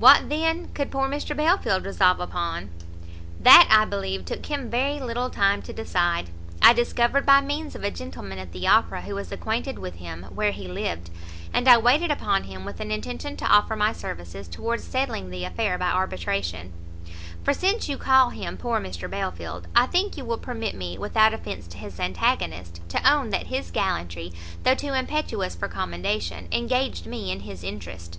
What, then, could poor Mr Belfield resolve upon?" "That, I believe, took him very little time to decide. I discovered, by means of a gentleman at the Opera who was acquainted with him, where he lived, and I waited upon him with an intention to offer my services towards settling the affair by arbitration: for since you call him poor Mr Belfield, I think you will permit me, without offence to his antagonist, to own that his gallantry, though too impetuous for commendation, engaged me in his interest."